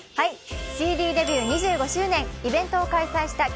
ＣＤデビュー２５周年イベントを開催した